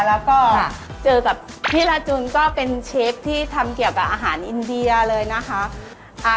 แล้วก็เจอกับพี่ลาจุนก็เป็นเชฟที่ทำเกี่ยวกับอาหารอินเดียเลยนะคะ